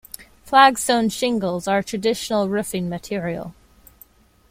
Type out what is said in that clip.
Flagstone shingles are a traditional roofing material.